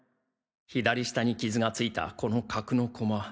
左下に傷が付いたこの角の駒